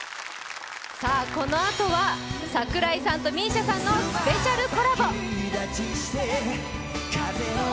このあとは櫻井さんとＭＩＳＩＡさんのスペシャルコラボ。